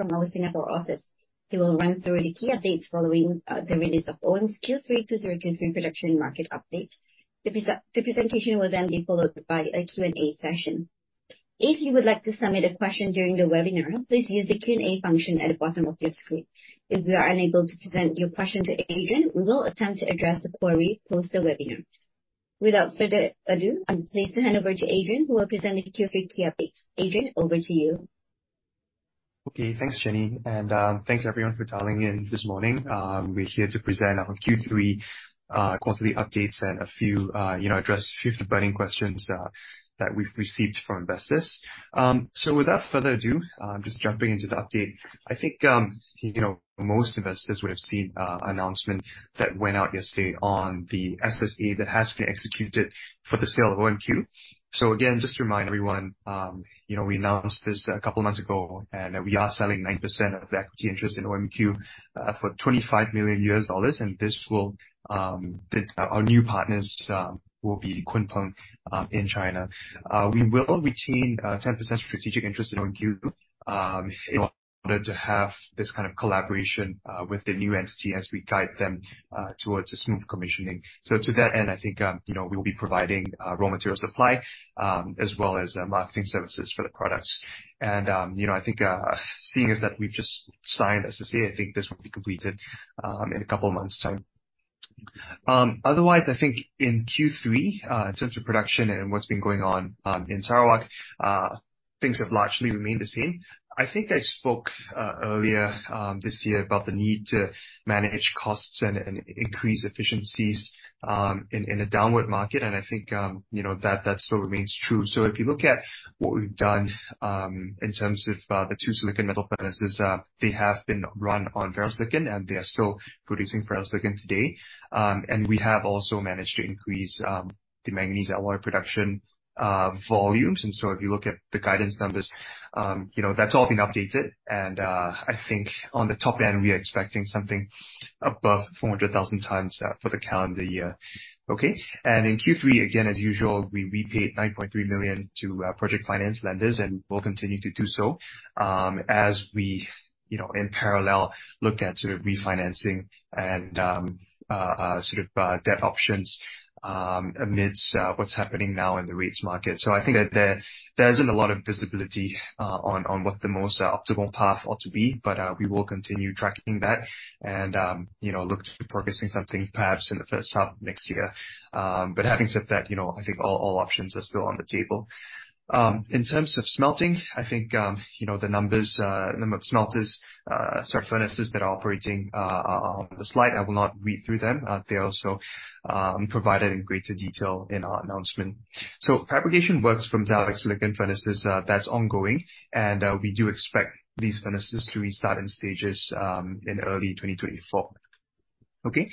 From our Singapore office. He will run through the key updates following the release of OMQ's Q3 2023 production and market update. The presentation will then be followed by a Q&A session. If you would like to submit a question during the webinar, please use the Q&A function at the bottom of your screen. If we are unable to present your question to Adrian, we will attempt to address the query post the webinar. Without further ado, I'm pleased to hand over to Adrian, who will present the Q3 key updates. Adrian, over to you. Okay, thanks, Jenny, and, thanks, everyone, for dialing in this morning. We're here to present our Q3 quarterly updates and a few, you know, address a few of the burning questions that we've received from investors. So without further ado, I'm just jumping into the update. I think, you know, most investors would have seen announcement that went out yesterday on the SSA that has been executed for the sale of OMQ. So again, just to remind everyone, you know, we announced this a couple months ago, and we are selling 9% of the equity interest in OMQ for $25 million, and this will, our new partners will be Kunpeng in China. We will retain 10% strategic interest in OMQ, in order to have this kind of collaboration with the new entity as we guide them towards a smooth commissioning. So to that end, I think, you know, we'll be providing raw material supply as well as marketing services for the products. And, you know, I think, seeing as that we've just signed SSA, I think this will be completed in a couple of months' time. Otherwise, I think in Q3, in terms of production and what's been going on in Sarawak, things have largely remained the same. I think I spoke earlier this year about the need to manage costs and increase efficiencies in a downward market, and I think, you know, that still remains true. So if you look at what we've done, in terms of, the two silicon metal furnaces, they have been run on ferrosilicon, and they are still producing ferrosilicon today. And we have also managed to increase, the manganese alloy production, volumes. And so if you look at the guidance numbers, you know, that's all been updated, and, I think on the top end, we are expecting something above 400,000 tons, for the calendar year. Okay? And in Q3, again, as usual, we repaid $9.3 million to, project finance lenders, and we'll continue to do so, as we, you know, in parallel, look at sort of refinancing and, sort of, debt options, amidst, what's happening now in the rates market. So I think that there, there isn't a lot of visibility, on, on what the most, optimal path ought to be, but, we will continue tracking that and, you know, look to progressing something perhaps in the first half of next year. But having said that, you know, I think all, all options are still on the table. In terms of smelting, I think, you know, the numbers, number of smelters, sorry, furnaces that are operating, are on the slide. I will not read through them. They also, provided in greater detail in our announcement. So fabrication works from metallic silicon furnaces, that's ongoing, and, we do expect these furnaces to restart in stages, in early 2024. Okay?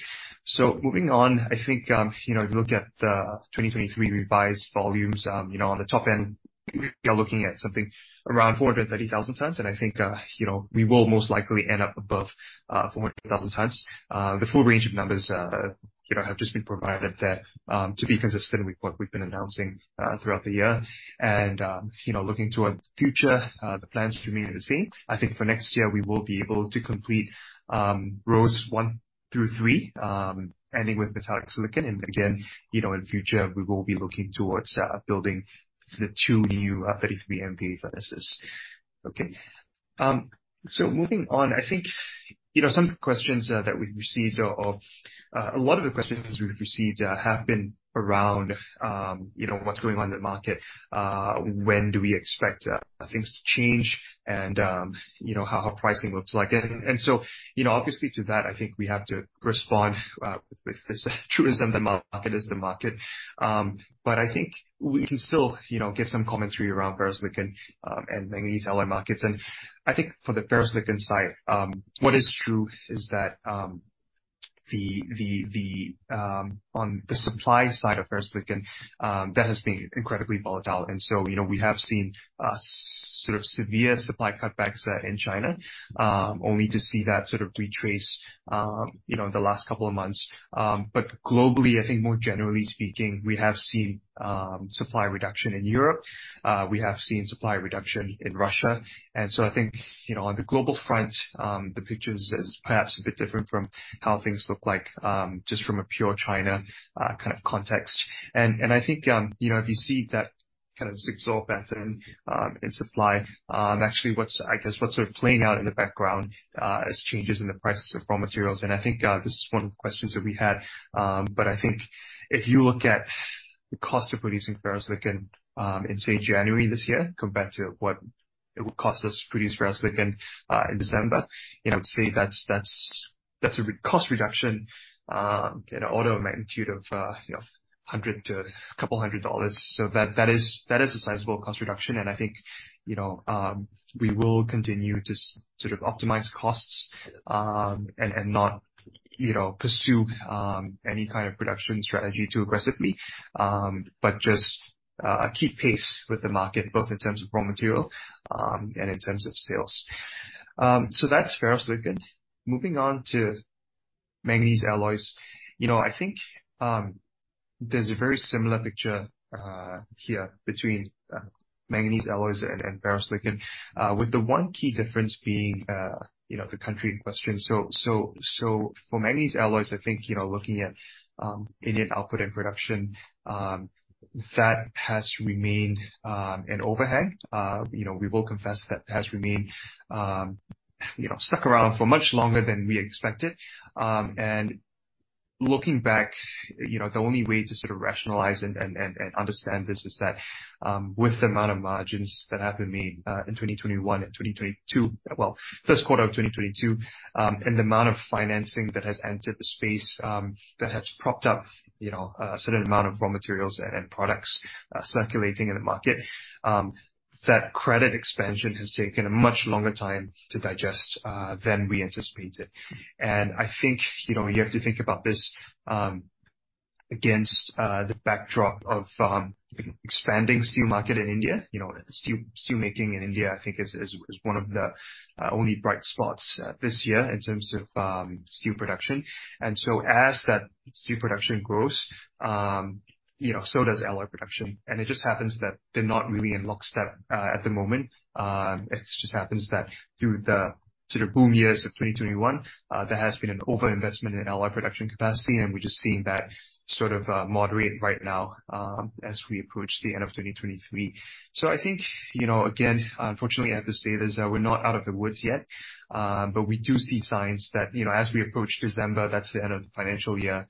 So moving on, I think, you know, if you look at the 2023 revised volumes, you know, on the top end, we are looking at something around 430,000 tons, and I think, you know, we will most likely end up above 400,000 tons. The full range of numbers, you know, have just been provided there, to be consistent with what we've been announcing, throughout the year. You know, looking toward the future, the plans remain the same. I think for next year, we will be able to complete phases I through III, ending with metallic silicon, and again, you know, in future, we will be looking towards building the two new 33 MVA furnaces. Okay. So moving on, I think, you know, some questions that we've received are of a lot of the questions we've received have been around, you know, what's going on in the market, when do we expect things to change? And, you know, how our pricing looks like. And so, you know, obviously to that, I think we have to respond with this truth is, the market is the market. But I think we can still, you know, give some commentary around ferrosilicon and manganese alloy markets. And I think for the ferrosilicon side, what is true is that on the supply side of ferrosilicon that has been incredibly volatile. And so, you know, we have seen sort of severe supply cutbacks in China, only to see that sort of retrace, you know, in the last couple of months. But globally, I think more generally speaking, we have seen supply reduction in Europe, we have seen supply reduction in Russia, and so I think, you know, on the global front, the picture is, is perhaps a bit different from how things look like just from a pure China kind of context. And I think, you know, if you see that kind of zigzag pattern in supply, actually what's, I guess, what's sort of playing out in the background is changes in the prices of raw materials. I think this is one of the questions that we had, but I think if you look at the cost of producing ferrosilicon, in, say, January this year, compared to what it would cost us to produce ferrosilicon, in December, you know, I'd say that's, that's, that's a cost reduction, in an order of magnitude of, you know, $100-$200. So that, that is, that is a sizable cost reduction, and I think, you know, we ill continue to sort of optimize costs, and, and not, you know, pursue, any kind of production strategy too aggressively, but just, keep pace with the market, both in terms of raw material, and in terms of sales. So that's ferrosilicon. Moving on to manganese alloys. You know, I think, there's a very similar picture here between manganese alloys and ferrosilicon, with the one key difference being, you know, the country in question. So, so, so for manganese alloys, I think, you know, looking at Indian output and production, that has remained, you know, stuck around for much longer than we expected. Looking back, you know, the only way to sort of rationalize and understand this is that, with the amount of margins that have been made in 2021 and 2022, well, first quarter of 2022, and the amount of financing that has entered the space that has propped up, you know, a certain amount of raw materials and products circulating in the market, that credit expansion has taken a much longer time to digest than we anticipated. And I think, you know, you have to think about this against the backdrop of expanding steel market in India. You know, steel making in India, I think is one of the only bright spots this year in terms of steel production. And so as that steel production grows, you know, so does alloy production, and it just happens that they're not really in lockstep at the moment. It just happens that through the sort of boom years of 2021, there has been an overinvestment in alloy production capacity, and we're just seeing that sort of moderate right now as we approach the end of 2023. So I think, you know, again, unfortunately, I have to say this, that we're not out of the woods yet. But we do see signs that, you know, as we approach December, that's the end of the financial year,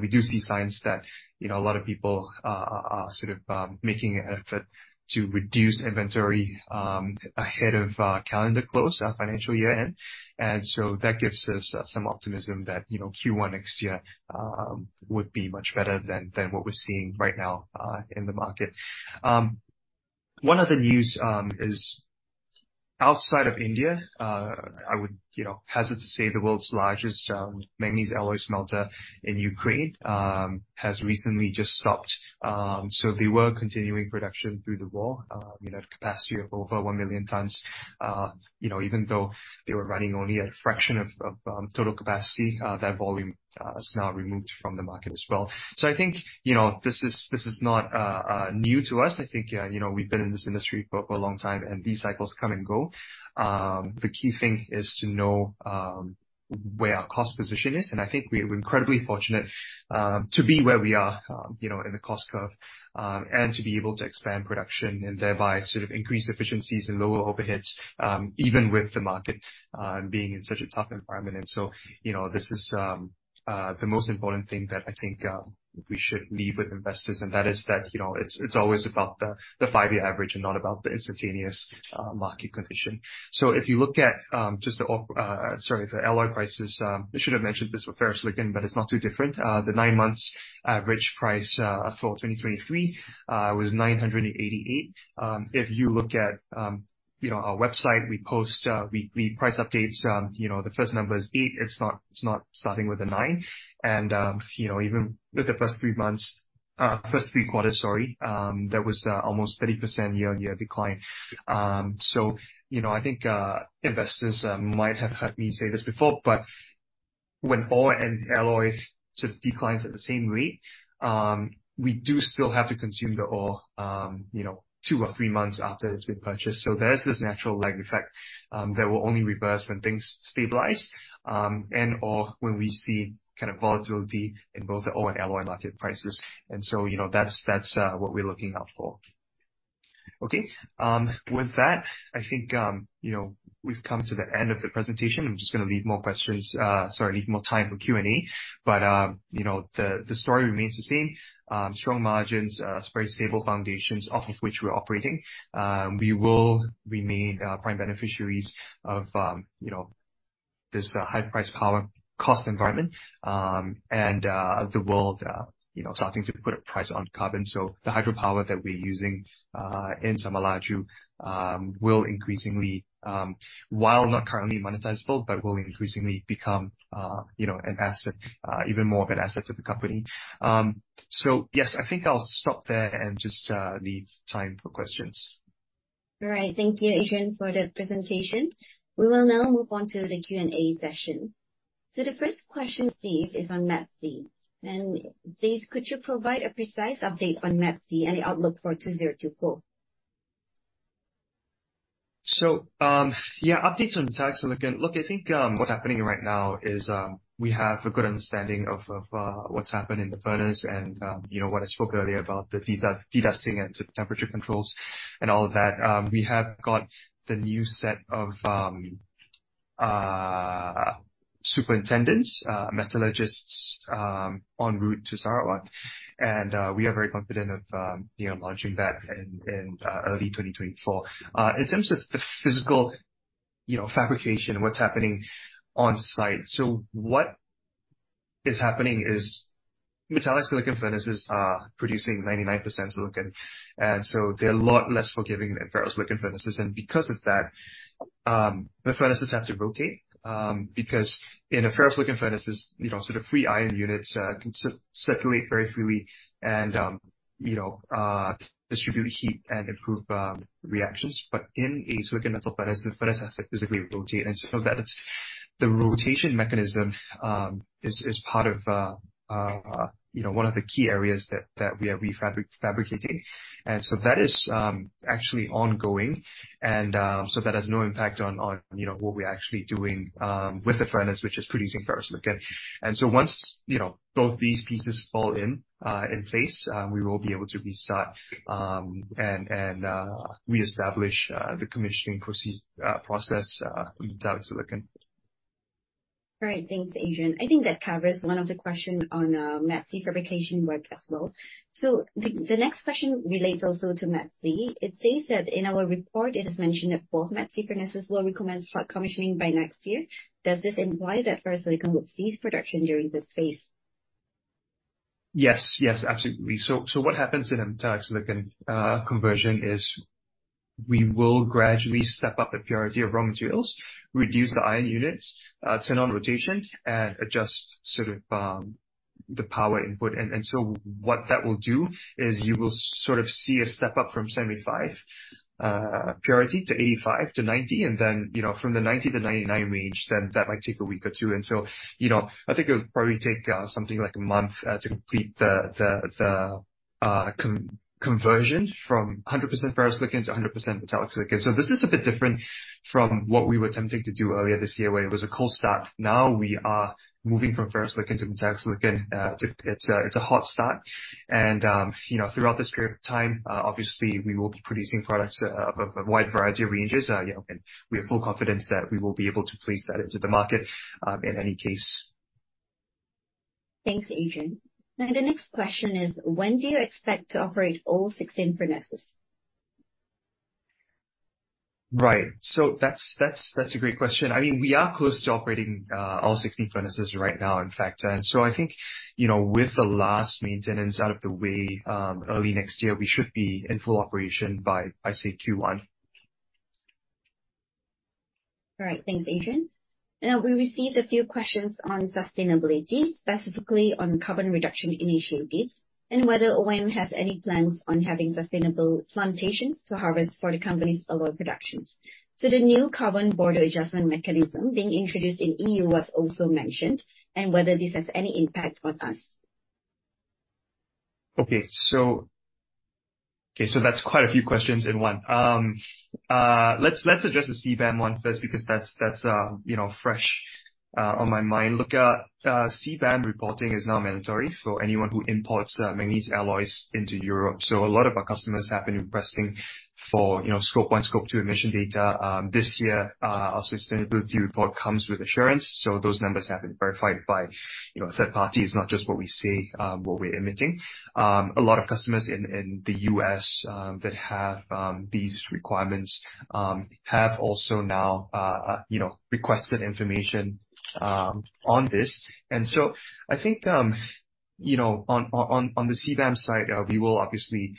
we do see signs that, you know, a lot of people are sort of making an effort to reduce inventory ahead of calendar close, our financial year end. And so that gives us some optimism that, you know, Q1 next year would be much better than, than what we're seeing right now in the market. One other news is outside of India. I would, you know, hazard to say, the world's largest manganese alloys smelter in Ukraine has recently just stopped. So they were continuing production through the war, you know, capacity of over 1 million tons. You know, even though they were running only a fraction of, of total capacity, that volume is now removed from the market as well. So I think, you know, this is, this is not new to us. I think, you know, we've been in this industry for a long time, and these cycles come and go. The key thing is to know where our cost position is, and I think we're incredibly fortunate to be where we are, you know, in the cost curve. And to be able to expand production and thereby sort of increase efficiencies and lower overheads even with the market being in such a tough environment. So, you know, this is the most important thing that I think we should leave with investors, and that is that, you know, it's always about the five-year average and not about the instantaneous market condition. So if you look at just the, sorry, the alloy prices, I should have mentioned this for ferrosilicon, but it's not too different. The nine months average price for 2023 was $988. If you look at, you know, our website, we post weekly price updates. You know, the first number is 8. It's not, it's not starting with a 9. And, you know, even with the first three months, first three quarters, sorry, there was almost 30% year-on-year decline. So, you know, I think investors might have heard me say this before, but when ore and alloy sort of declines at the same rate, we do still have to consume the ore, you know, two or three months after it's been purchased. So there's this natural lag effect, that will only reverse when things stabilize, and/or when we see kind of volatility in both the ore and alloy market prices. And so, you know, that's, that's what we're looking out for. Okay, with that, I think, you know, we've come to the end of the presentation. I'm just gonna leave more time for Q&A. But, you know, the story remains the same. Strong margins, very stable foundations off of which we're operating. We will remain prime beneficiaries of, you know, this high-price power cost environment. And, the world, you know, starting to put a price on carbon. So the hydropower that we're using in Samalaju will increasingly, while not currently monetizable, but will increasingly become, you know, an asset, even more of an asset to the company. So yes, I think I'll stop there and just leave time for questions. All right. Thank you, Adrian, for the presentation. We will now move on to the Q&A session. The first question, Steve, is on MetSi. And Dave, could you provide a precise update on MetSi and the outlook for 2024? So, yeah, updates on metallic silicon. Look, I think, what's happening right now is, we have a good understanding of, of, what's happened in the furnace and, you know, what I spoke earlier about, the de-dedusting and temperature controls and all of that. We have got the new set of, superintendents, metallurgists, en route to Sarawak, and, we are very confident of, you know, launching that in, in, early 2024. In terms of the physical, you know, fabrication, what's happening on site, so what is happening is metallic silicon furnaces are producing 99% silicon, and so they're a lot less forgiving than ferrosilicon furnaces. And because of that, the furnaces have to rotate, because in a ferrosilicon furnace, you know, sort of free iron units can circulate very freely and, you know, distribute heat and improve reactions. But in a silicon metal furnace, the furnace has to physically rotate, and so that it's... The rotation mechanism is part of one of the key areas that we are fabricating. And so that is actually ongoing. And so that has no impact on what we're actually doing with the furnace, which is producing ferrosilicon. And so once both these pieces fall in place, we will be able to restart and reestablish the commissioning process with metallic silicon. All right, thanks, Adrian. I think that covers one of the questions on MetSi fabrication workflow. So the next question relates also to MetSi. It says that in our report, it is mentioned that both MetSi furnaces will recommend start commissioning by next year. Does this imply that ferrosilicon will cease production during this phase? Yes. Yes, absolutely. So, what happens in a metallic silicon conversion is we will gradually step up the purity of raw materials, reduce the iron units, turn on rotation, and adjust sort of the power input. And so what that will do is you will sort of see a step up from 75% purity to 85%-90%, and then, you know, from the 90%-99% range, then that might take a week or two. And so, you know, I think it would probably take something like a month to complete the conversion from 100% ferrosilicon to 100% metallic silicon. So this is a bit different from what we were attempting to do earlier this year, where it was a cold start. Now, we are moving from ferrosilicon to metallic silicon. It's a hot start. You know, throughout this period of time, obviously, we will be producing products of a wide variety of ranges. You know, and we have full confidence that we will be able to place that into the market, in any case. Thanks, Adrian. Now, the next question is, when do you expect to operate all 16 furnaces? Right. So that's a great question. I mean, we are close to operating all 16 furnaces right now, in fact. And so I think, you know, with the last maintenance out of the way, early next year, we should be in full operation by, I'd say, Q1. All right. Thanks, Adrian. Now, we received a few questions on sustainability, specifically on carbon reduction initiatives, and whether OM has any plans on having sustainable plantations to harvest for the company's overall productions. The new Carbon Border Adjustment Mechanism being introduced in E.U. was also mentioned, and whether this has any impact on us. Okay, so that's quite a few questions in one. Let's address the CBAM one first, because that's you know, fresh on my mind. Look, CBAM reporting is now mandatory for anyone who imports manganese alloys into Europe. So a lot of our customers have been requesting for you know, Scope 1, Scope 2 emission data. This year, our sustainability report comes with assurance, so those numbers have been verified by you know, a third party. It's not just what we say what we're emitting. A lot of customers in the U.S. that have these requirements have also now you know, requested information on this. I think, you know, on the CBAM side, we will obviously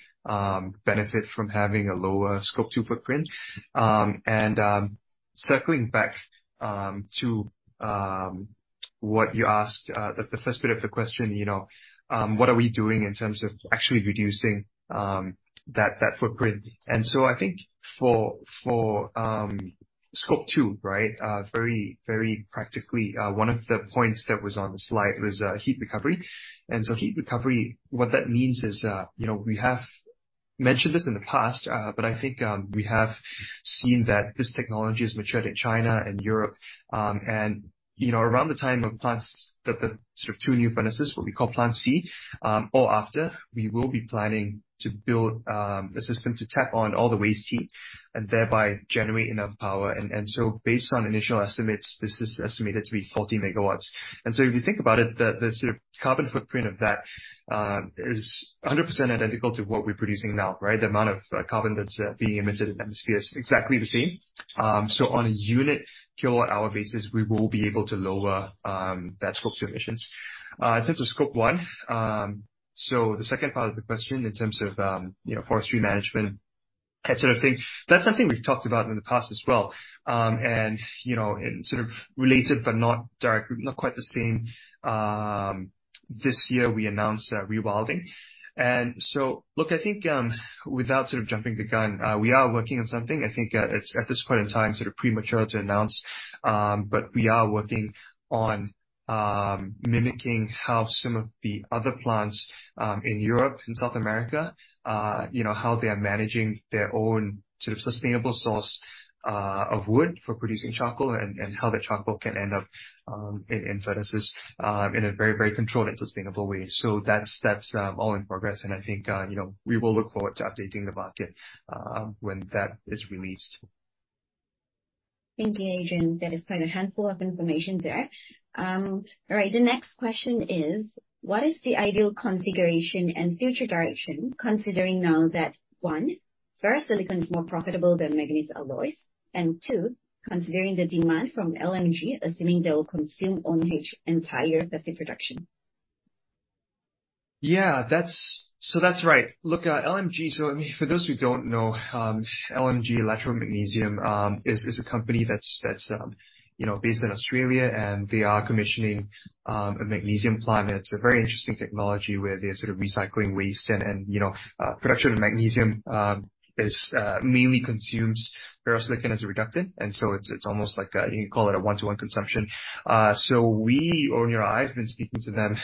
benefit from having a lower Scope 2 footprint. Circling back to what you asked, the first bit of the question, you know, what are we doing in terms of actually reducing that footprint? I think for Scope 2, right, very, very practically, one of the points that was on the slide was heat recovery. Heat recovery, what that means is, you know, we have mentioned this in the past, but I think we have seen that this technology has matured in China and Europe. And you know, around the time of plants, the sort of two new furnaces, what we call Plant C, or after, we will be planning to build a system to tap on all the waste heat and thereby generate enough power. And so based on initial estimates, this is estimated to be 40 megawatts. And so if you think about it, the sort of carbon footprint of that is 100% identical to what we're producing now, right? The amount of carbon that's being emitted in the atmosphere is exactly the same. So on a unit kilowatt-hour basis, we will be able to lower that Scope 2 emissions. In terms of Scope 1, so the second part of the question in terms of, you know, forestry management, that sort of thing, that's something we've talked about in the past as well. And, you know, and sort of related, but not directly, not quite the same, this year we announced rewilding. And so, look, I think, without sort of jumping the gun, we are working on something. I think, it's, at this point in time, sort of premature to announce, but we are working on mimicking how some of the other plants in Europe and South America, you know, how they are managing their own sort of sustainable source of wood for producing charcoal, and, and how that charcoal can end up in furnaces in a very, very controlled and sustainable way. So that's all in progress, and I think, you know, we will look forward to updating the market when that is released. Thank you, Adrian. That is quite a handful of information there. All right, the next question is: What is the ideal configuration and future direction, considering now that, one, ferrosilicon is more profitable than manganese alloys, and two, considering the demand from LMG, assuming they will consume OM's entire basic production? Yeah, that's right. So that's right. Look, LMG, so I mean, for those who don't know, LMG, Latrobe Magnesium, is a company that's, you know, based in Australia, and they are commissioning a magnesium plant. It's a very interesting technology where they're sort of recycling waste and, you know, production of magnesium is mainly consumes ferrosilicon as a reductant. And so it's almost like you can call it a one-to-one consumption. So, you know, I've been speaking to them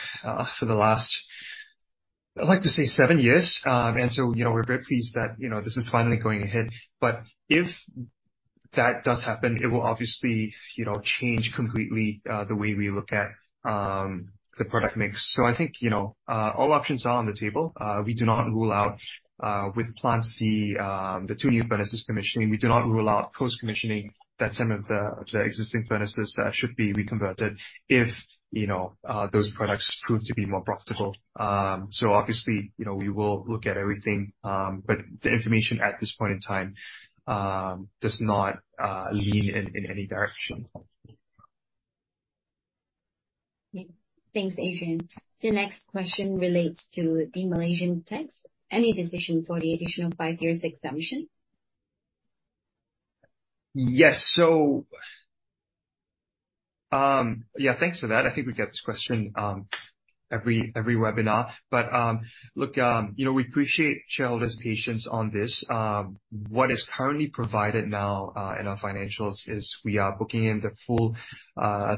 for the last—I'd like to say seven years. And so, you know, we're very pleased that, you know, this is finally going ahead. But if that does happen, it will obviously, you know, change completely the way we look at the product mix. So I think, you know, all options are on the table. We do not rule out, with Plan C, the two new furnaces commissioning. We do not rule out post-commissioning that some of the existing furnaces that should be reconverted if, you know, those products prove to be more profitable. So obviously, you know, we will look at everything, but the information at this point in time does not lean in any direction. Thanks, Adrian. The next question relates to the Malaysian tax. Any decision for the additional five years exemption? Yes. So, yeah, thanks for that. I think we get this question, every, every webinar. But, look, you know, we appreciate shareholders' patience on this. What is currently provided now, in our financials is we are booking in the full,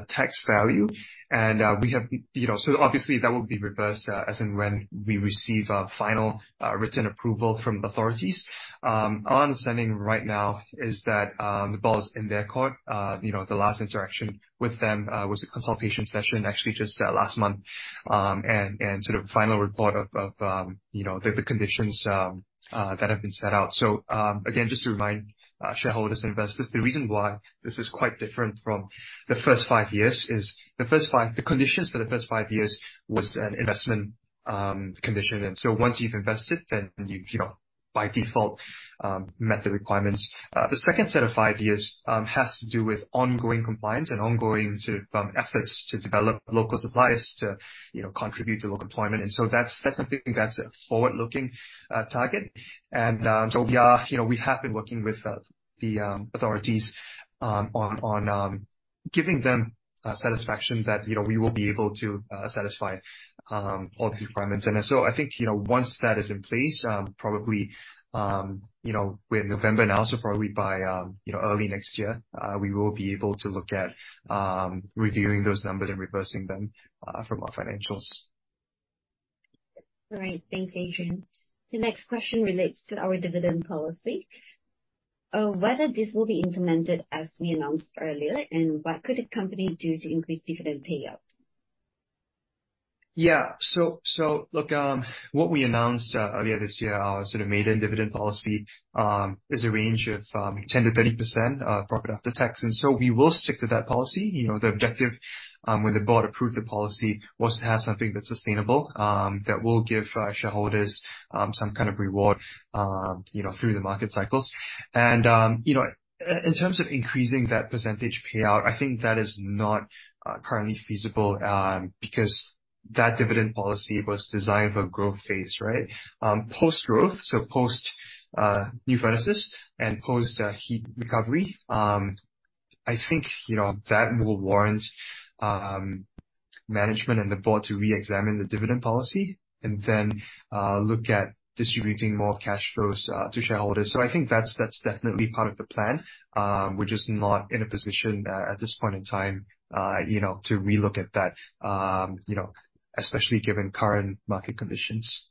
tax value, and, we have, you know—So obviously that will be reversed, as in when we receive a final, written approval from authorities. Our understanding right now is that, the ball is in their court. You know, the last interaction with them, was a consultation session, actually, just, last month. And, and sort of final report of, of, you know, the, the conditions, that have been set out. So, again, just to remind, shareholders and investors, the reason why this is quite different from the first five years is the conditions for the first five years was an investment condition. And so once you've invested, then you, you know, by default, met the requirements. The second set of five years has to do with ongoing compliance and ongoing efforts to develop local suppliers to, you know, contribute to local employment. And so that's, that's something that's a forward-looking target. And, so we are, you know, we have been working with the authorities on giving them satisfaction that, you know, we will be able to satisfy all the requirements. I think, you know, once that is in place, probably, you know, we're in November now, so probably by, you know, early next year, we will be able to look at reviewing those numbers and reversing them from our financials. Great. Thanks, Adrian. The next question relates to our dividend policy. Whether this will be implemented as we announced earlier, and what could the company do to increase dividend payout? Yeah. So, look, what we announced earlier this year, our sort of maiden dividend policy, is a range of 10%-30% profit after tax. And so we will stick to that policy. You know, the objective, when the board approved the policy, was to have something that's sustainable, that will give shareholders some kind of reward, you know, through the market cycles. And, you know, in terms of increasing that percentage payout, I think that is not currently feasible, because that dividend policy was designed for growth phase, right? Post-growth, so post new furnaces and post heat recovery, I think, you know, that will warrant management and the board to reexamine the dividend policy and then look at distributing more cash flows to shareholders. I think that's, that's definitely part of the plan. We're just not in a position at this point in time, you know, to relook at that, you know, especially given current market conditions.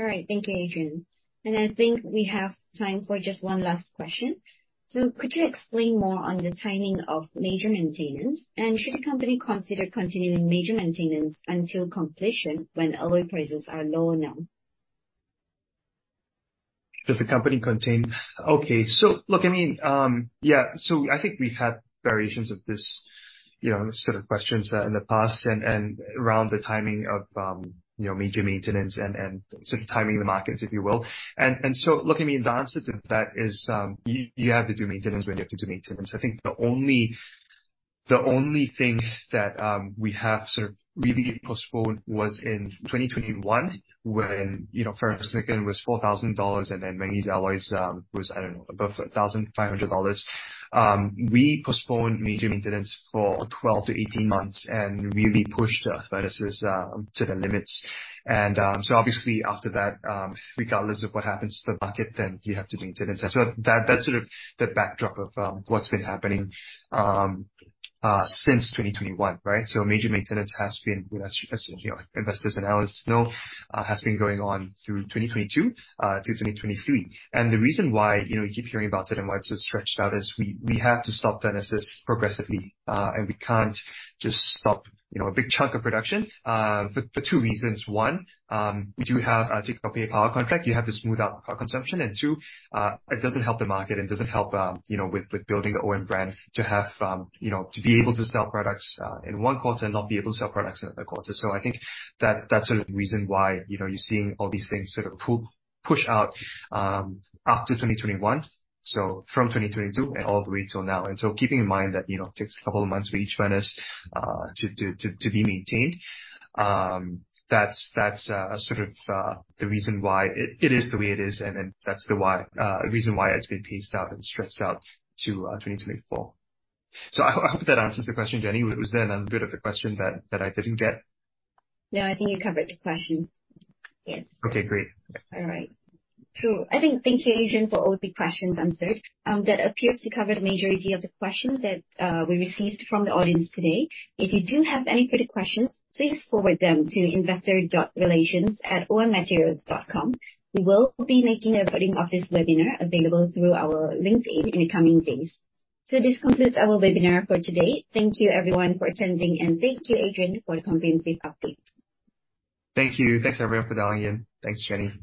All right. Thank you, Adrian. And I think we have time for just one last question. So could you explain more on the timing of major maintenance? And should the company consider continuing major maintenance until completion when alloy prices are low now? Okay, so look, I mean, yeah, so I think we've had variations of this, you know, set of questions in the past and around the timing of, you know, major maintenance and sort of timing the markets, if you will. So, look, I mean, the answer to that is, you have to do maintenance when you have to do maintenance. I think the only thing that we have sort of really postponed was in 2021, when, you know, ferrosilicon was $4,000, and then manganese alloys was, I don't know, above $1,500. We postponed major maintenance for 12-18 months and really pushed the furnaces to the limits. So obviously after that, regardless of what happens to the market, then you have to do maintenance. So that, that's sort of the backdrop of what's been happening since 2021, right? So major maintenance has been, as, as, you know, investors and analysts know, has been going on through 2022 to 2023. And the reason why, you know, we keep hearing about it and why it's so stretched out, is we, we have to stop furnaces progressively, and we can't just stop, you know, a big chunk of production, for, for two reasons. One, we do have a take-or-pay power contract. You have to smooth out power consumption. And two, it doesn't help the market and doesn't help, you know, with, with building the OM brand to have, you know, to be able to sell products in one quarter and not be able to sell products in another quarter. So I think that, that's sort of the reason why, you know, you're seeing all these things sort of pull, push out after 2021. So from 2022 and all the way till now. And so keeping in mind that, you know, it takes a couple of months for each furnace to be maintained, that's sort of the reason why it is the way it is, and then that's the why reason why it's been paced out and stretched out to 2024. So I hope that answers the question, Jenny. Was there another bit of the question that I didn't get? No, I think you covered the question. Yes. Okay, great. All right. So I think thank you, Adrian, for all the questions answered. That appears to cover the majority of the questions that we received from the audience today. If you do have any further questions, please forward them to investor.relations@ommaterials.com. We will be making a recording of this webinar available through our LinkedIn in the coming days. So this concludes our webinar for today. Thank you everyone for attending, and thank you, Adrian, for the comprehensive update. Thank you. Thanks, everyone, for dialing in. Thanks, Jenny.